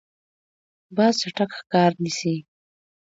باز چټک ښکار نیسي.